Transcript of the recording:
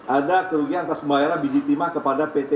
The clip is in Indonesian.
ada kerugian atas pembayaran biji timah kepada pt